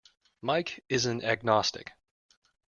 Mike is an agnostic.